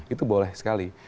itu boleh sekali